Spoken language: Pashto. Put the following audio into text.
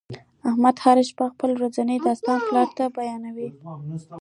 احمد هر شپه خپل ورځنی داستان پلار ته بیانوي.